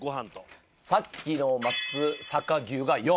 さっきの松阪牛が４。